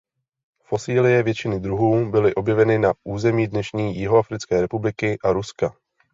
Fosilie většiny druhů byly objeveny na území dnešní Jihoafrické republiky a Ruska.